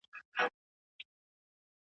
که انسان په منطق عمل ونه کړي، ستونزې پیدا کوي.